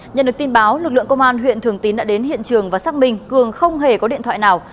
nhận được tin báo lực lượng công an huyện thường tín đã đến hiện trường và xác minh cường không hề có điện thoại nào